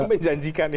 itu menjanjikan ya